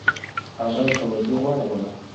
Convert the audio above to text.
هغه توجه واړوله.